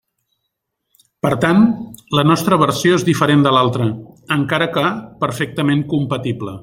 Per tant, la nostra versió és diferent de l'altra, encara que perfectament compatible.